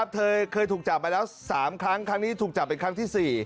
เคยถูกจับมาแล้ว๓ครั้งครั้งนี้ถูกจับเป็นครั้งที่๔